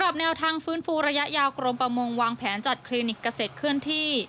แนวทางฟื้นฟูระยะยาวกรมประมงวางแผนจัดคลินิกเกษตรเคลื่อนที่